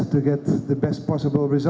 dan bermain dengan sebaik kita